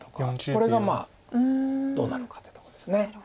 これがまあどうなるかっていうとこです。